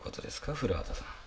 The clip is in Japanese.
古畑さん。